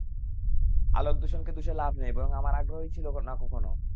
আলোদূষণকে দুষে লাভ নেই, বরং আমারই আগ্রহ ছিল না কখনো।